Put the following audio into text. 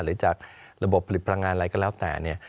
หรือจากระบบผลิตพลังงานอะไรก็แล้วแต่